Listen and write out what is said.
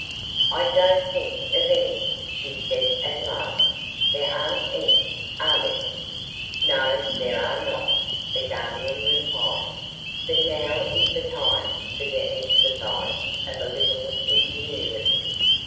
"I don't think of any," she said at last. "There aren't any, are there?" "No, there are not," the Guardian replied. "But now is the time for the exercise of a little ingenuity.